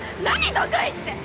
「得意」って。